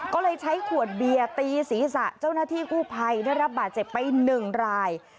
ก็เลยใช้ขวดเบียร์ตีศีรษะเจ้าหน้าที่กู้ภัยได้รับบาดเจ็บไป๑ราย